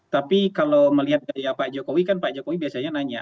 tapi kalau melihat dari pak jokowi kan pak jokowi biasanya nanya